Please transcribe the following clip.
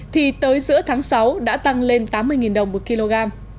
thì tới giữa tháng sáu đã tăng lên tám mươi đồng một kg